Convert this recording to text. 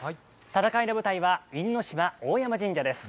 戦いの舞台は因島・大山神社です。